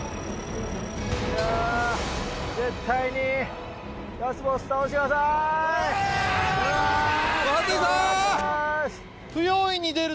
いや、絶対にラスボス倒してください。